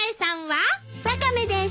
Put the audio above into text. ワカメです。